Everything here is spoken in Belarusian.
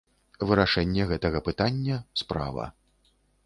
Вырашэнне гэтага пытання, справа.